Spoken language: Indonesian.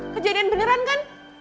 kejadian beneran kan